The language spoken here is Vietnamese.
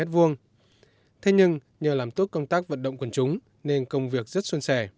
thế nhưng nhờ làm tốt công tác vận động quần chúng nên công việc rất xuân sẻ